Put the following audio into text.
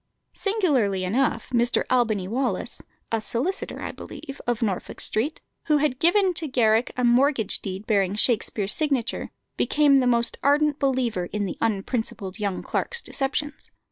Singularly enough Mr. Albany Wallis (a solicitor, I believe), of Norfolk Street, who had given to Garrick a mortgage deed bearing Shakspere's signature, became the most ardent believer in the unprincipled young clerk's deceptions.